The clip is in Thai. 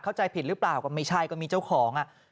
เข้าใจผิดหรือเปล่าก็ไม่ใช่ก็มีเจ้าของอ่ะ